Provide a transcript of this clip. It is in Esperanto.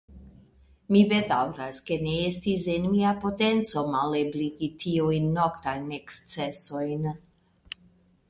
Mi bedaŭras, ke ne estis en mia potenco malebligi tiujn noktajn ekscesojn.